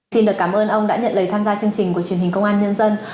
xin được cảm ơn ông đã nhận lời tham gia chương trình của truyền hình công an nhân dân